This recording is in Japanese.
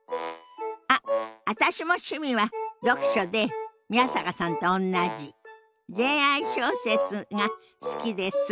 あっ私も趣味は読書で宮坂さんとおんなじ恋愛小説が好きです。